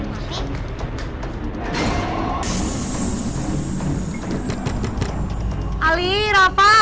ada mami diluar